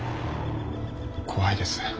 怖いです。